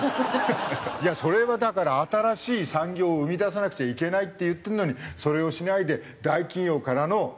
いやそれはだから新しい産業を生み出さなくちゃいけないって言ってるのにそれをしないで大企業からのね